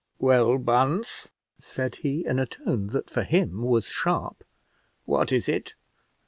"Well, Bunce," said he, in a tone that for him was sharp, "what is it?